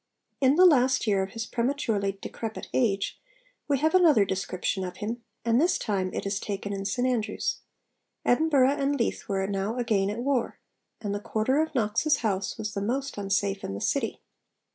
In the last year of his prematurely 'decrepit age,' we have another description of him; and this time it is taken in St Andrews. Edinburgh and Leith were now again at war, and the quarter of Knox's house was the most unsafe in the city.